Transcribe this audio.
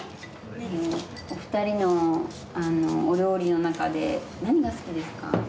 お二人のお料理のなかで何が好きですか？